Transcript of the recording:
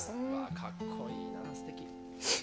かっこいいなすてき。